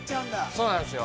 ◆そうなんですよ。